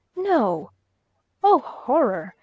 No! Oh horror!